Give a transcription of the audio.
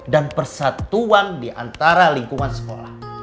dan persatuan di antara lingkungan sekolah